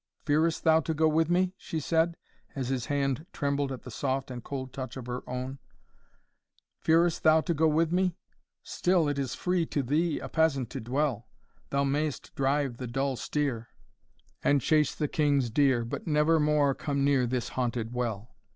"Fearest thou to go with me?" she said, as his hand trembled at the soft and cold touch of her own "Fearest thou to go with me? Still it is free to thee A peasant to dwell: Thou mayst drive the dull steer, And chase the king's deer, But never more come near This haunted well."